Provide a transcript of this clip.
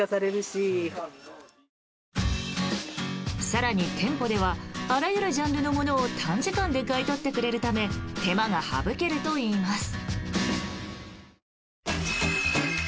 更に店舗ではあらゆるジャンルのものを短時間で買い取ってくれるため手間が省けるといいます。